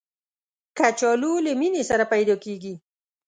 کچالو له مینې سره پیدا کېږي